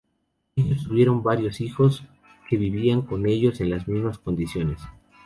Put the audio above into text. Ellos tuvieron varios hijos, que vivían con ellos en las mismas condiciones.